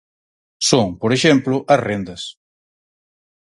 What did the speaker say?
Son, por exemplo, as rendas.